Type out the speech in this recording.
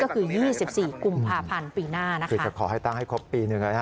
ก็คือ๒๔กุมภาพันธ์ปีหน้านะคะคือจะขอให้ตั้งให้ครบปีหนึ่ง